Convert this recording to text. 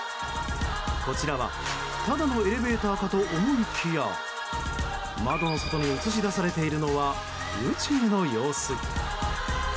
こちらはただのエレベーターかと思いきや窓の外に映し出されているのは宇宙の様子。